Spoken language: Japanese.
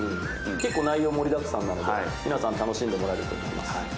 結構内容盛りだくさんなので皆さん楽しんでいただけると思います。